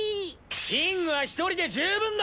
キングは一人で十分だ！